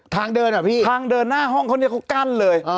ทางเดินอ่ะพี่ทางเดินหน้าห้องเขาเนี่ยเขากั้นเลย